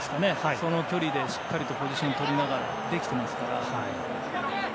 その距離でしっかりとポジションとりながらできてますから。